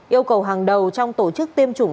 yêu cầu hàng đầu trong tổ chức tiêm chủng